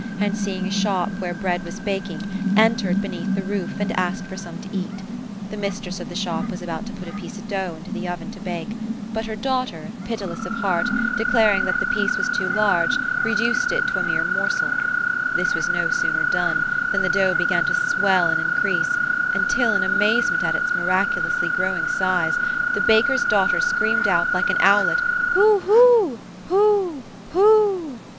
and seeing a shop where bread was baking, entered beneath the roof, and asked for some to eat. The mistress of the shop was about to put a piece of dough into the oven to bake ; but her daughter, pitiless of heart, declaring that the piece was too large, reduced it to a mere morsel. This was no sooner done, than the dough began to swell and increase, until, in amaze at its miracu lously growing size, the baker's daughter screamed out, like an owlet, ^ Woohoo— hoo— hoo